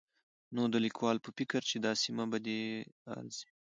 نو د ليکوال په فکر چې دا سيمه په دې ارځي